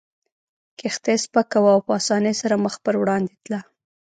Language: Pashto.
کښتۍ سپکه وه او په اسانۍ سره مخ پر وړاندې تله.